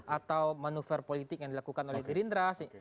atau manuver politik yang dilakukan oleh gerindra